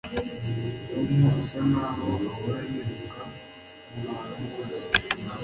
tom asa nkaho ahora yiruka mubantu azi